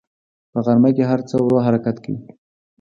په غرمه کې هر څه ورو حرکت کوي